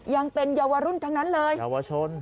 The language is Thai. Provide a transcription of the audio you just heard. ยังเป็นเยาวรุ่นทั้งนั้นเลยเยาวชน